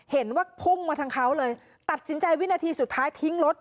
เห็นว่าพุ่งมาทางเขาเลยตัดสินใจวินาทีสุดท้ายทิ้งรถ